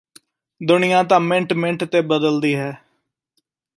ਦੁਨੀਆਂ ਤਾਂ minute minute ਤੇ ਬੱਦਲਦੀ ਹੈ